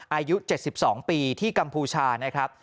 อายุ๗๒ปีที่กัมพูชานะครับ